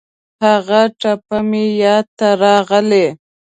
هغه ټپه مې یاد ته راغلې.